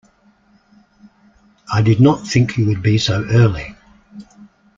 I did not think you would be so early.